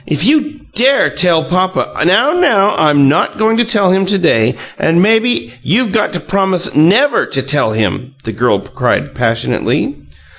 If you dare tell papa " "Now, now! I'm not going to tell him to day, and maybe " "You've got to promise NEVER to tell him!" the girl cried, passionately.